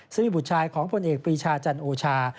ซึ่งบุตรชายของผลเอกปรีชาจันโอชา